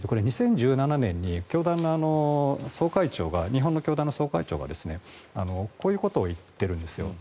２０１７年に教団側の総会長が日本の教団の総会長がこういうことを言っているんです。